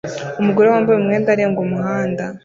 Umugore wambaye umwenda arenga umuhanda